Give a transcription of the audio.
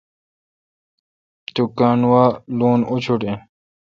ٹوکان وا لون اوشٹ این۔